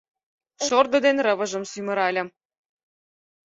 — Шордо ден рывыжым сӱмыральым.